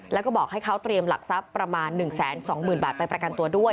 แล้วก็บอกให้เขาเตรียมหลักทรัพย์ประมาณ๑๒๐๐๐บาทไปประกันตัวด้วย